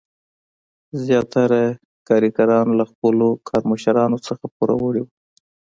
زیاتره کارګران له خپلو کارمشرانو څخه پوروړي وو.